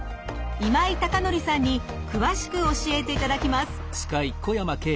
今井孝成さんに詳しく教えていただきます。